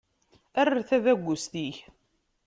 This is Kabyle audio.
Err tabagust-ik.